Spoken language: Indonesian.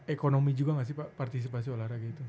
ekonomi juga gak sih pak